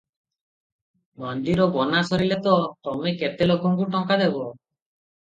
ମନ୍ଦିର ବନାସରିଲେ ତ ତମେ କେତେ ଲୋକଙ୍କୁ ଟଙ୍କା ଦବ ।